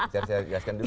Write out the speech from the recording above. saya liaskan dulu ya